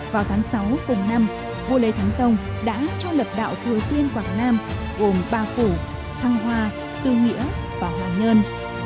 vào tháng sáu cùng năm vua lê thánh tông đã cho lập đạo thừa tiên quảng nam gồm ba phủ thăng hoa tư nghĩa và hoàng nhơn